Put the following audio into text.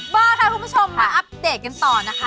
เบอร์ค่ะคุณผู้ชมมาอัปเดตกันต่อนะคะ